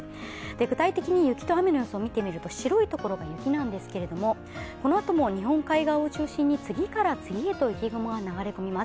具体的に雪と雨の予想を見てみると、白いところが雪なんですけれど、このあとも日本海側を中心に次から次へと雪雲が流れ込みます。